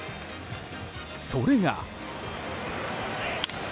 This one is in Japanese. それが。